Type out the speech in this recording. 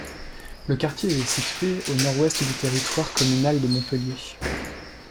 Le quartier est situé au nord-ouest du territoire communal de Montpellier.